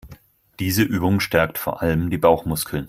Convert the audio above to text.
Diese Übung stärkt vor allem die Bauchmuskeln.